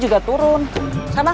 juga turun sama ya bu